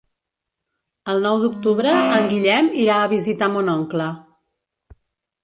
El nou d'octubre en Guillem irà a visitar mon oncle.